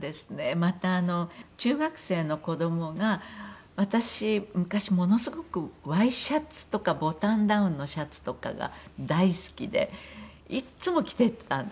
また中学生の子どもが私昔ものすごくワイシャツとかボタンダウンのシャツとかが大好きでいつも着てたんですね。